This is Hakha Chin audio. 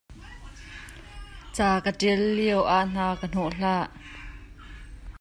Ca ka ṭial lioah hna ka hnawh hlah.